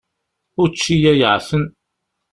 Učči-ya yeεfen.